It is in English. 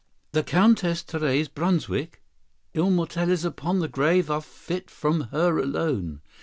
"The Countess Therese Brunswick! Immortelles upon this grave are fit from her alone."